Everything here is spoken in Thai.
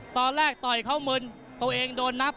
ตอนแรกต่อยเขามืนตัวเองโดนนับ